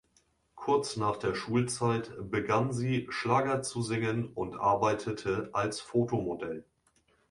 Kurz nach der Schulzeit begann sie Schlager zu singen und arbeitete als Fotomodell.